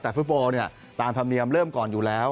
แต่ฟุตบอลเนี่ยตามธรรมเนียมเริ่มก่อนอยู่แล้ว